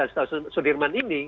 stasiun sudirman ini